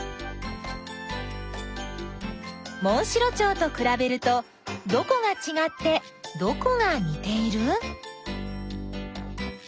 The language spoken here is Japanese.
モンシロチョウとくらべるとどこがちがってどこがにている？